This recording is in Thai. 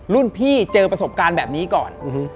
รุ่นพี่เจอประสบการณ์แบบนี้ก่อน